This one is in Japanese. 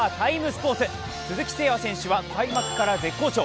スポーツ鈴木誠也選手は開幕から絶好調。